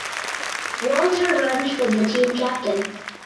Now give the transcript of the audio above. Walter Runge was the team captain.